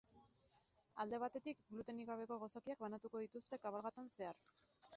Alde batetik, glutenik gabeko gozokiak banatuko dituzte kabalgatan zehar.